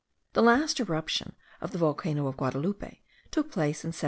The last eruption of the volcano of Guadaloupe took place in 1797.